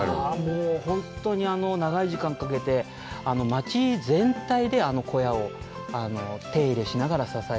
もう本当に長い時間をかけて町全体であの小屋を手入れしながら支えて。